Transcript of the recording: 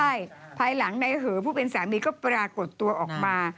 ใช่ภายหลังนายเหอผู้เป็นสามีก็ปรากฏตัวออกมา